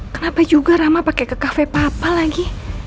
kenapa juga rama pake ke kafe papa lagi